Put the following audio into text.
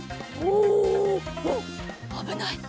おっあぶない！